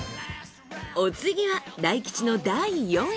お次は大吉の第４位。